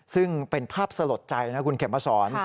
ซึ่งเป็นภาพสลดใจนะคุณเข็มมาสอน